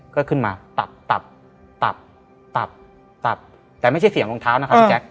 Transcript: ก็ขึ้นมาตับตับตับตับตับแต่ไม่ใช่เสียงรองเท้านะครับพี่แจ๊ค